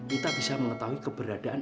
kita bisa mengetahui keberadaan